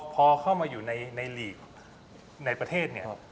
พอเข้ามาอยู่ในลีกในประเทศเนี่ย